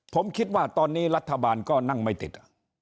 ผมคิดว่าตอนนี้รัฐบาลก็นั่งไม่ติด